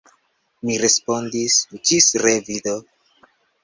Mi respondis: «Ĝis revido! »